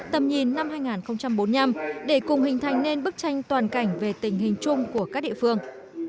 tầm nhìn năm hai nghìn bốn mươi năm để cùng hình thành nên bức tranh toàn cảnh về tình hình chung của các địa phương